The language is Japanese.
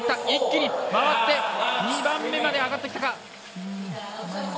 一気に回って２番目まで上がってきたか。